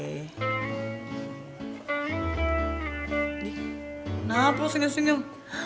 nih kenapa lo sinyal sinyal